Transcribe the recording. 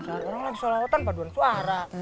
orang lagi solawatan paduan suara